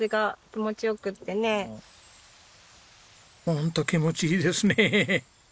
ホント気持ちいいですね。